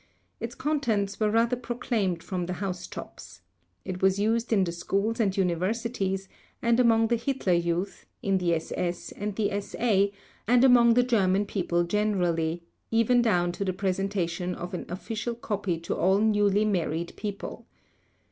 Its contents were rather proclaimed from the house tops. It was used in the schools and Universities and among the Hitler Youth, in the SS and the SA, and among the German People generally, even down to the presentation of an official copy to all newly married people.